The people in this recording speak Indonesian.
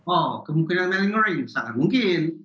oh kemungkinan malingoring sangat mungkin